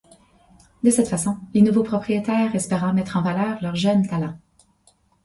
De cette façon, les nouveaux propriétaires espérant mettre en valeur leurs jeunes talents.